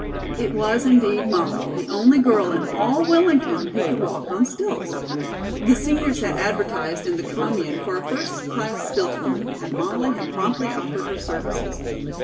It was indeed Molly, the only girl in all Wellington who could walk on stilts. The seniors had advertised in The Commune for a first class "stiltswoman," and Molly had promptly offered her services.